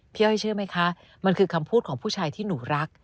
อ้อยเชื่อไหมคะมันคือคำพูดของผู้ชายที่หนูรัก